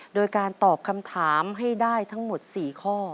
โดยการตอบคำถามให้ได้ทั้งหมด๔ข้อ